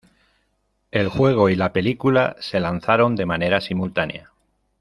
El juego y la película se lanzaron de manera simultánea.